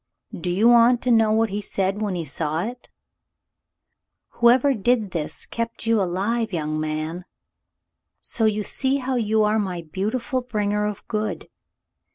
"Do you want to know what he said when he saw it? * Whoever did this kept you alive, young man.' So you see how you are my beautiful bringer of good.